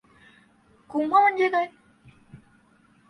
कुंभ म्हणजे काय?